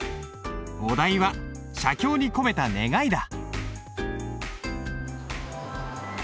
お題は「写経に込めた願い」だ。